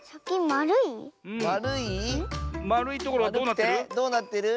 まるいところはどうなってる？